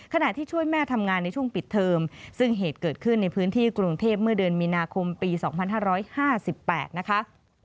ขณะที่ช่วยแม่ทำงานในช่วงปิดเทอมซึ่งเหตุเกิดขึ้นในพื้นที่กรุงเทพเมื่อเดือนมีนาคมปี๒๕๕๘นะคะ